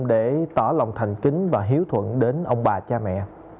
để tỏ lòng thành kính và hiếu thuận đến ông bà cha mẹ